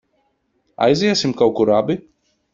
Aiziesim kaut kur abi?